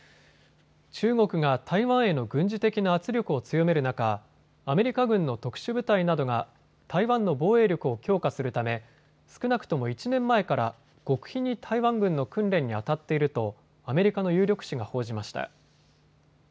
中国が台湾への軍事的な圧力を強める中、アメリカ軍の特殊部隊などが台湾の防衛力を強化するため少なくとも１年前から極秘に台湾軍の訓練にあたっているとアメリカの有力紙が報じました。